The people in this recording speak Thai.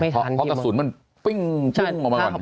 เพราะกระสุนมันปิ้งออกมาก่อน